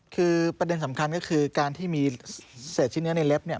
คือประเด็นสำคัญก็คือการที่มีเศษชิ้นเนื้อในเล็บเนี่ย